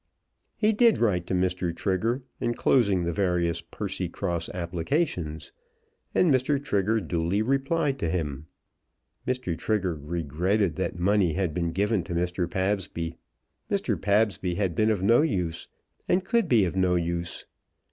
He did write to Mr. Trigger, enclosing the various Percycross applications; and Mr. Trigger duly replied to him. Mr. Trigger regretted that money had been given to Mr. Pabsby. Mr. Pabsby had been of no use, and could be of no use.